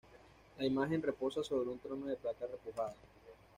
La imagen reposa sobre un Trono de plata repujada.